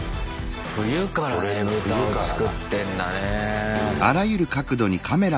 冬からねぶたを作ってんだね。